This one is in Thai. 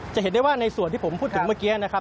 จะเห็นได้ว่าในส่วนที่ผมพูดถึงเมื่อกี้นะครับ